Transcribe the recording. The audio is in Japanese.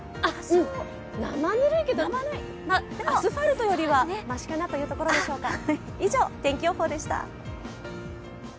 生ぬるいけど、アスファルトよりはましかなというところでしょうか。